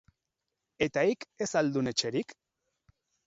Eta hik, ez al dun etxerik?